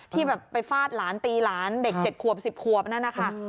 ที่แบบไปฟาดหลานตีหลานเด็ก๗ขวบ๑๐ขวบนั่นนะคะ